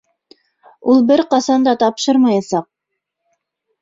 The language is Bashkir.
Ул бер ҡасан да тапшырмаясаҡ!